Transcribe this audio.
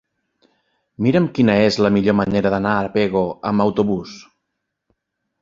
Mira'm quina és la millor manera d'anar a Pego amb autobús.